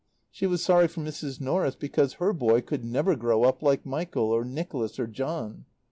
She was sorry for Mrs. Norris because her boy could never grow up like Michael or Nicholas or John.